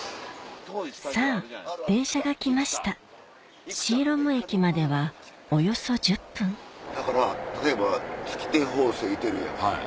さぁ電車が来ましたシーロム駅まではおよそ１０分だから例えば月亭方正いてるやん。